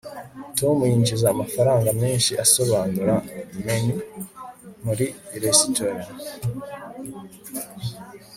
tom yinjiza amafaranga menshi asobanura menus muri resitora